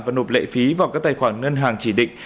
và nộp lệ phí vào các tài khoản ngân hàng chỉ định